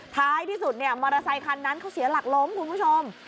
ท้ายที่สุดเนี่ยมอเตอร์ไซคันนั้นเขาเสียหลักล้มคุณผู้ชม